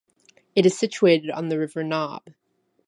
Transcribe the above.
It is situated on the river Naab.